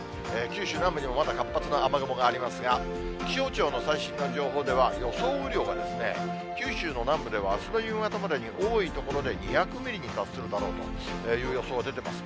九州南部にもまだ活発な雨雲がありますが、気象庁の最新の情報では、予想雨量が、九州の南部では、あすの夕方までに多い所で２００ミリに達するだろうという予想が出ています。